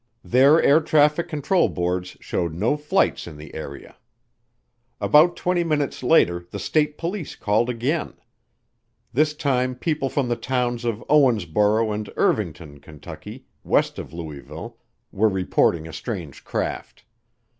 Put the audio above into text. Their air Traffic control board showed no flights in the area. About twenty minutes later the state police called again. This time people from the towns of Owensboro and Irvington, Kentucky, west of Louisville, were reporting a strange craft.